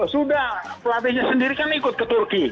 sudah pelatihnya sendiri kan ikut ke turki